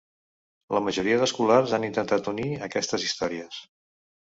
La majoria d"escolars han intentat unir aquestes històries.